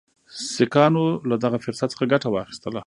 سیکهانو له دغه فرصت څخه ګټه واخیستله.